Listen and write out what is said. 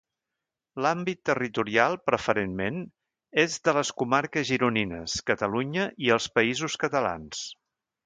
L'àmbit territorial preferentment és de les comarques gironines, Catalunya i els Països Catalans.